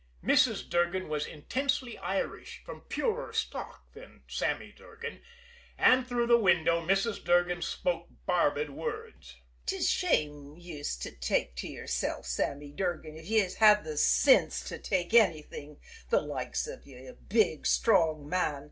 Mrs. Durgan was intensely Irish, from purer stock than Sammy Durgan, and through the window Mrs. Durgan spoke barbed words: "'Tis shame yez should take to yersilf, Sammy Durgan, if yez had the sinse to take annything the loikes av yez, a big strong man!